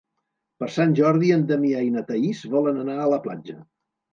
Per Sant Jordi en Damià i na Thaís volen anar a la platja.